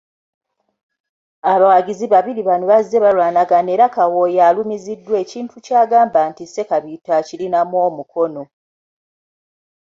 Abawagizi babiri bano bazze balwanagana era Kawooya alumiziddwa ekintu ky'agamba nti Ssekabiito akirinamu omukono.